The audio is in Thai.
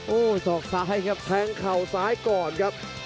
โอ้โหสอกซ้ายครับแทงเข่าซ้ายก่อนครับ